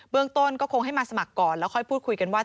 เรื่องต้นก็คงให้มาสมัครก่อนแล้วค่อยพูดคุยกันว่า